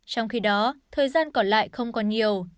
trong khi đó thời gian còn lại không còn nhiều